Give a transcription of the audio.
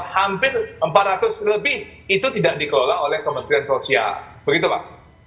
hampir rp empat ratus lebih itu tidak dikelola oleh kementerian sosial